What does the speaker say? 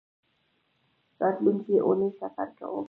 راتلونکۍ اونۍ سفر کوم